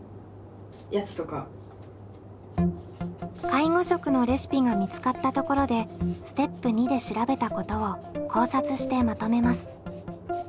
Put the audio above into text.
介護食のレシピが見つかったところでステップ２で調べたことを考察してまとめます。